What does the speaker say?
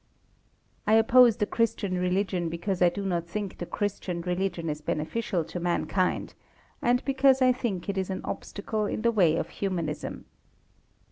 I oppose the Christian religion because I do not think the Christian religion is beneficial to mankind, and because I think it is an obstacle in the way of Humanism.